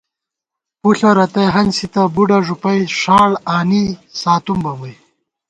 پُݪہ رتئ ہنسِتہ، بڈہ ݫُپَئ ݭاڑ آنی ساتُم بہ مُوئی